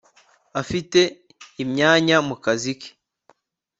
afite imyamya mukazi ke